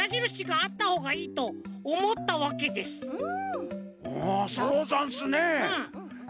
ああそうざんすね。